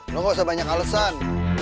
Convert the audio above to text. lo gak usah banyak alasan